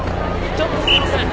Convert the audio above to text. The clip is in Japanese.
ちょっとすいません。